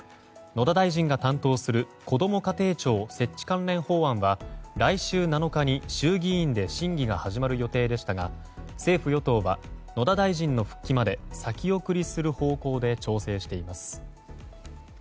野田大臣が担当するこども家庭庁設置関連法案は来週７日に衆議院で審議が始まる予定でしたが政府・与党は野田大臣の復帰まで先送りする方向で調整しています。